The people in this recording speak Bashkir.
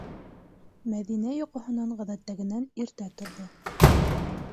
Мәҙинә йоҡоһонан ғәҙәттәгенән иртә торҙо.